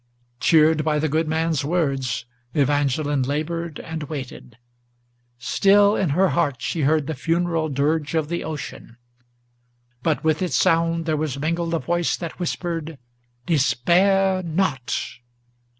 Cheered by the good man's words, Evangeline labored and waited. Still in her heart she heard the funeral dirge of the ocean, But with its sound there was mingled a voice that whispered, "Despair not!"